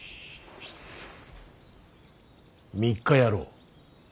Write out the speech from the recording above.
３日やろう。